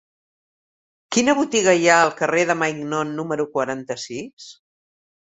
Quina botiga hi ha al carrer de Maignon número quaranta-sis?